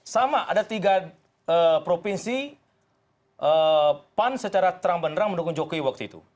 sama ada tiga provinsi pan secara terang benerang mendukung jokowi waktu itu